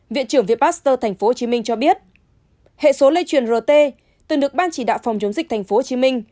viện trưởng viện pasteur tp hcm cho biết hệ số lây truyền re từng được ban chỉ đạo phòng chống dịch tp hcm